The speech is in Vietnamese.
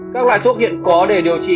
các loại thuốc hiện có để điều trị